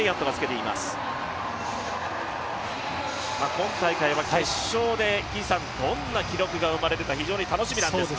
今大会は決勝でどんな記録が生まれるか非常に楽しみなんですが。